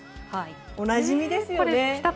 おなじみですよね。